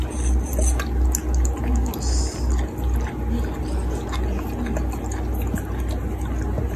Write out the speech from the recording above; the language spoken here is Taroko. Ubus: Nii ka bubung mu